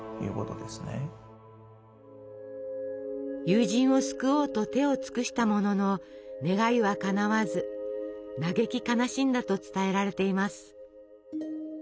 友人を救おうと手を尽くしたものの願いはかなわず嘆き悲しんだと伝えられています。